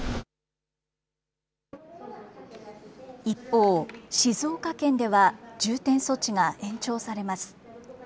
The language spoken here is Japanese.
一方、静岡県では重点措置が延長されます。